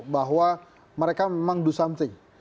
bahwa mereka memang do something